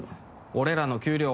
俺らの給料は？